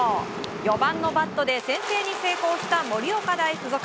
４番のバットで先制に成功した盛岡大付属。